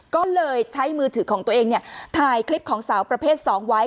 ก็เลยใช้มือถือของตัวเองถ่ายคลิปของสาวประเภท๒ไว้